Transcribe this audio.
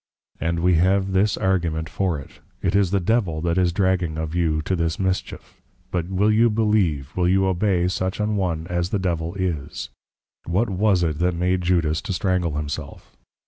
_ And we have this Argument for it, _It is the Devil that is dragging of you to this mischief; but will you believe, will you obey such an one as the Devil is?_ What was it that made Judas to strangle himself?